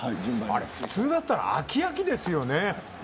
普通だったら飽き飽きですよ。